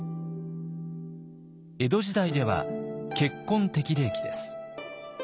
江戸時代では結婚適齢期です。